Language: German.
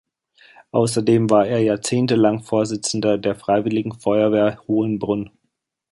Außerdem war er Jahrzehnte lang Vorsitzender der Freiwilligen Feuerwehr Hohenbrunn.